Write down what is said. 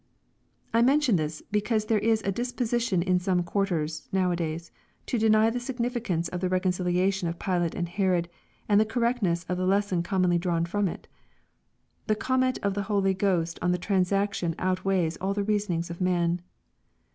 I mention this, because there is a disposition in some quaiiiers^ now a days, to deny the significance of the reconciliation of Pit late and Herod, and the correctness of the lesson commonly drawn from it The comment of the Holy Ghost on the transaction out weighs all the reasonings of man.